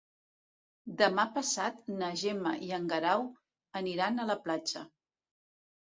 Demà passat na Gemma i en Guerau aniran a la platja.